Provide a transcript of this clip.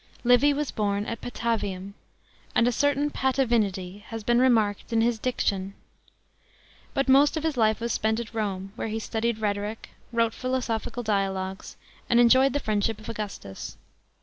Livy was born at Patavitim, and a certain Patavinity has been remarked in his diction. But most of his ii"e was spent at Rome, where he studied rhetoric, wrote philosophical dialogues, and enjoyed the friendship of Augustus.